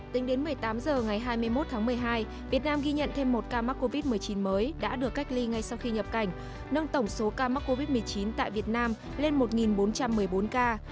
tính đến một mươi tám h ngày hai mươi một tháng một mươi hai việt nam ghi nhận thêm một ca mắc covid một mươi chín mới đã được cách ly ngay sau khi nhập cảnh nâng tổng số ca mắc covid một mươi chín tại việt nam lên một bốn trăm một mươi bốn ca